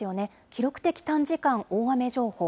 記録的短時間大雨情報。